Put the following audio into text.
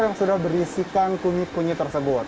yang sudah berisikan kunyit kunyit tersebut